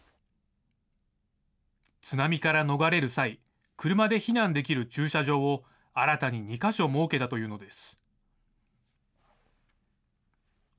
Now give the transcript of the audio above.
津波から逃れる際、車で避難できる駐車場を新たに２か所設けたというのです。